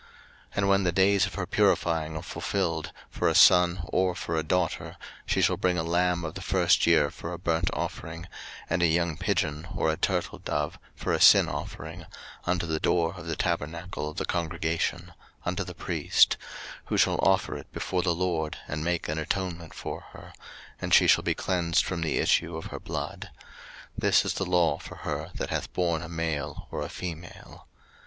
03:012:006 And when the days of her purifying are fulfilled, for a son, or for a daughter, she shall bring a lamb of the first year for a burnt offering, and a young pigeon, or a turtledove, for a sin offering, unto the door of the tabernacle of the congregation, unto the priest: 03:012:007 Who shall offer it before the LORD, and make an atonement for her; and she shall be cleansed from the issue of her blood. This is the law for her that hath born a male or a female.